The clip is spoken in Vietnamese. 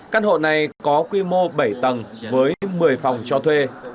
căn hộ này có quy mô bảy tầng với một mươi phòng cho thuê